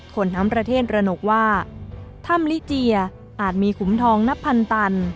คนทั้งประเทศระหนกว่าถ้ำลิเจียอาจมีขุมทองนับพันตัน